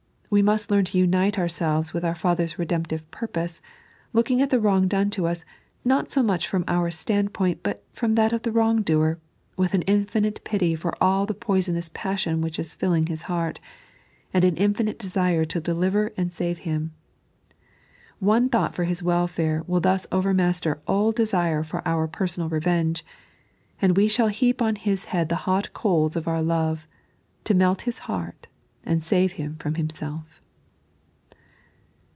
We must learn to unite our selves with our Father's redemptive purpose, looking at the wrong done to us, not so much from our standpoint but from that of the wrong doer, with an infinite pity for all the poisonous passion which is filling his heart, and an infinite desire to deliver and save him. One thought for his welfare will thus overmaster all desire for our personal revenge, and we shall heap on his head the hot coals of oar love, to melt his heart and save him from himself.